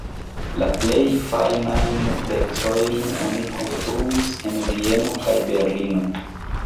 La plej fajnajn pecojn oni konstruis en Vieno kaj Berlino.